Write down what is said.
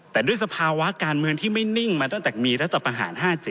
แต่ด้วยสภาวะการเมืองที่ไม่นิ่งมาตั้งแต่มีรัฐประหาร๕๗